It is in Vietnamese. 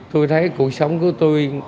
tôi thấy cuộc sống của tôi